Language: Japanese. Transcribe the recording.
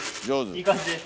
いい感じです。